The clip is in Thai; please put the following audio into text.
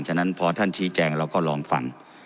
ฉะนั้นพอท่านชี้แจงเราก็ลองฟัง